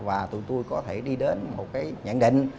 và tụi tôi có thể đi đến một cái nhận định